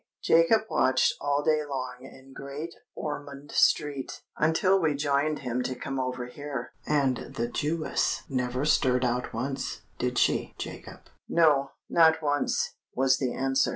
Jacob watched all day long in Great Ormond Street, until we joined him to come over here; and the Jewess never stirred out once—did she, Jacob?" "No—not once," was the answer.